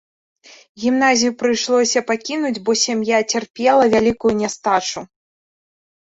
Гімназію прыйшлося пакінуць, бо сям'я цярпела вялікую нястачу.